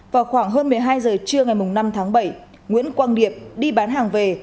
vào khoảng hơn một mươi hai giờ trưa ngày năm tháng bảy nguyễn quang điệp đi bán hàng về